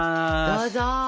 どうぞ。